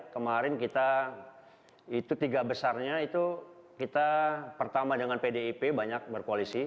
kemarin kita itu tiga besarnya itu kita pertama dengan pdip banyak berkoalisi